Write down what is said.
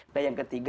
nah yang ketiga